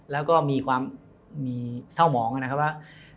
แล้วก็มีความมีเศร้าหมองนะครับว่า